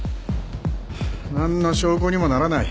ハァ何の証拠にもならない。